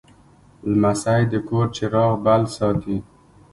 لمسی د کور چراغ بل ساتي.